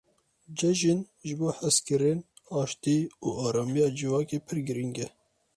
Cejin ji bo hezkirin, aştî û aramiya civakê pir giring e.